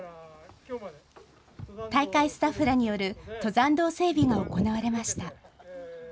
大会スタッフらによる登山道整備が行われました。